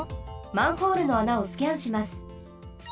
マンホールの穴をスキャンします。